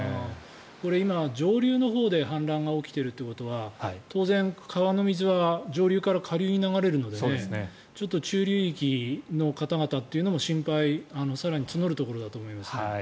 今、上流のほうで氾濫が起きているということは当然、川の水は上流から下流に流れるので中流域の方々というのも心配が更に募るところだと思います。